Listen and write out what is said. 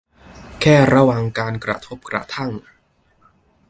แค่ระวังการกระทบกระทั่ง